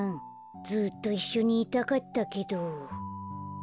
ずっといっしょにいたかったけど。